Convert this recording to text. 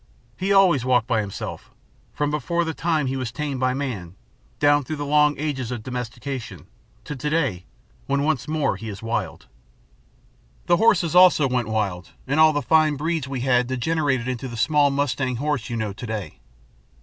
He always walked by himself, from before the time he was tamed by man, down through the long ages of domestication, to to day when once more he is wild. "The horses also went wild, and all the fine breeds we had degenerated into the small mustang horse you know to day.